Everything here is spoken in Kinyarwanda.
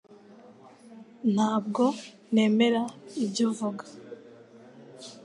Ntabwo nemera ibyo uvuga